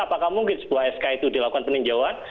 apakah mungkin sebuah sk itu dilakukan peninjauan